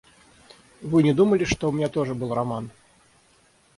Вы не думали, что у меня тоже был роман?